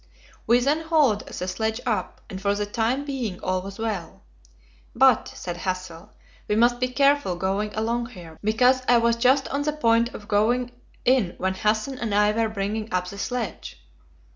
We then hauled the sledge up, and for the time being all was well. "But," said Hassel, "we must be careful going along here, because I was just on the point of going in when Hanssen and I were bringing up the sledge."